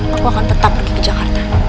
aku akan tetap pergi ke jakarta